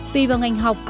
tùy vào ngành học